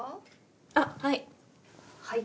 あっはい。